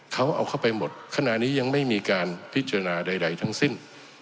เขาเอาเข้าไปหมดขณะนี้ยังไม่มีการพิจารณาใดทั้งสิ้น